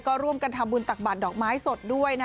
ก็ร่วมกันทำบุญตักบาดดอกไม้สดด้วยนะ